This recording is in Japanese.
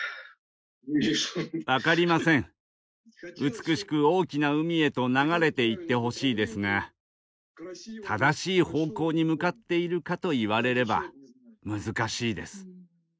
美しく大きな海へと流れていってほしいですが正しい方向に向かっているかと言われれば難しいです。